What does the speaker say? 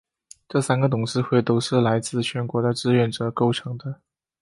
这三个董事会都是由来自全国的志愿者构成的。